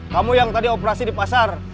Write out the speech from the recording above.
kamu yang tadi operasi di pasar